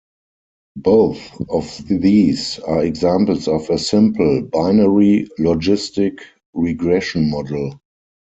Both of these are examples of a simple, binary logistic regression model.